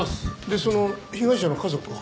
でその被害者の家族は？